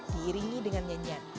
diiringi dengan nyanyian